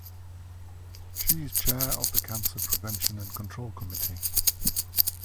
She is Chair of the Cancer Prevention and Control Committee.